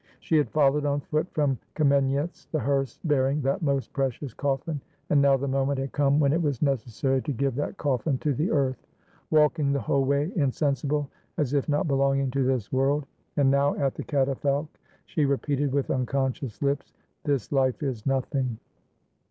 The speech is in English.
She had followed on foot from Kamenyetz the hearse bearing that most precious coffin, and now the moment had come when it was necessary to give that coffin to the earth. Walking the whole way, in sensible, as if not belonging to this world, and now at the 144 THE SURRENDER OF KAMENYETZ catafalque, she repeated with unconscious lips, "This life is nothing!"